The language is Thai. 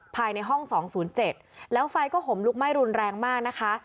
ภายในห้องสองศูนย์เจ็ดแล้วไฟก็ห่มลุกไม่รุนแรงมากนะคะ